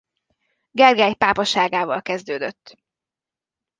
Gergely pápaságával kezdődött.